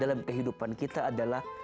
dalam kehidupan kita adalah